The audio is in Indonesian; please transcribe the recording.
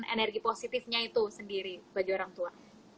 energi positifnya itu sendiri bagi orang tua